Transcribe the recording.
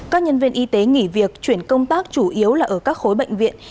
các nhân viên y tế nghỉ việc chuyển công tác chủ yếu là ở các khối bệnh viện